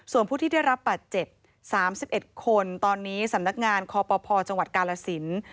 ส่วนผู้ที่ได้รับบาดเจ็บ๓๑คนตอนนี้สำนักงานคอปภจังหวัดกาลสิน